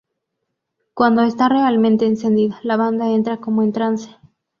Cuando esta realmente encendida, la banda entra como en trance.